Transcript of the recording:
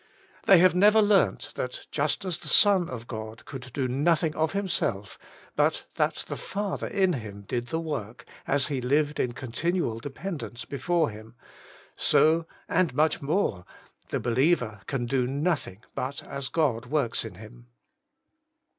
They have never learnt that, just as the Son of God could do nothing of Him self, but that the Father in Him did the work, as He lived in continual dependence before Him, so, and much more, the be liever can do nothing but as God works in him.